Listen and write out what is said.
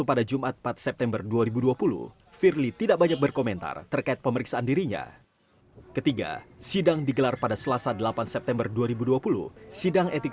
pada saat dewan pengawas mengumumkan hasil putusan sidang etik